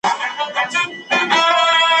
زموږ کلتور په کتابونو کي ژوندی پاتې کیږي.